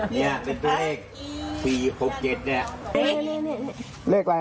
เนี่ยเป็นตัวเลข๔๖๗เนี่ย